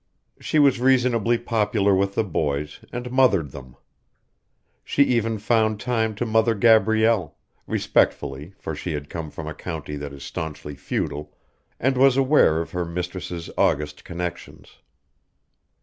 She was reasonably popular with the boys and mothered them. She even found time to mother Gabrielle respectfully, for she had come from a county that is staunchly feudal, and was aware of her mistress's august connections.